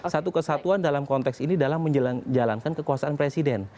satu kesatuan dalam konteks ini dalam menjalankan kekuasaan presiden